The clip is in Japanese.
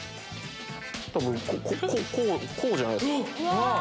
多分こうじゃないですか。